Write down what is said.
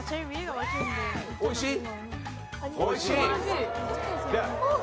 おいしい！